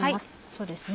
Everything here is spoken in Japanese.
そうですね。